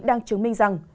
đang chứng minh rằng